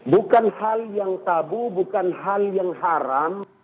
bukan hal yang tabu bukan hal yang haram